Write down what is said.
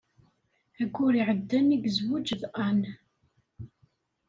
Ayyur iɛeddan i yezweǧ d Ann.